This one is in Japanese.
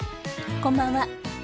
こんばんは。